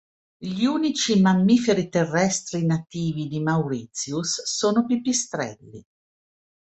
Gli unici mammiferi terrestri nativi di Mauritius sono pipistrelli.